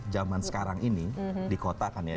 zaman sekarang ini di kota kan ya